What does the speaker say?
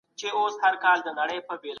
اسلام د نورو د عبادت ځایونو احترام کوي.